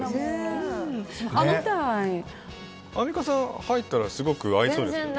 アンミカさん、入ったらすごく合いそうですよね。